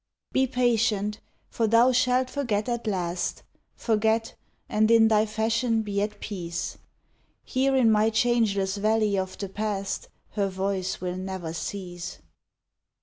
Be patient, for thou shalt forget at last Forget, and in thy fashion be at peace: Here in my changeless valley of the Past Her voice will never cease.